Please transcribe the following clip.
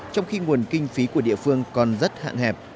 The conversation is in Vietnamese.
trong khi nguồn kinh phí của địa phương còn rất hạn hẹp